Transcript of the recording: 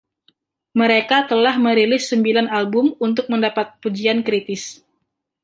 Mereka telah merilis sembilan album untuk mendapat pujian kritis.